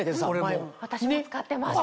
私も使ってます。